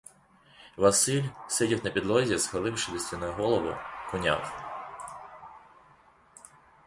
Василь сидів на підлозі, схиливши до стіни голову: куняв.